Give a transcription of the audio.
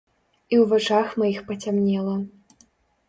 І ў вачах маіх пацямнела.